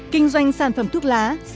kinh doanh sản phẩm thuốc lá